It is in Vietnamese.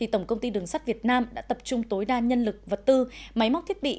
tổng công ty đường sắt việt nam đã tập trung tối đa nhân lực vật tư máy móc thiết bị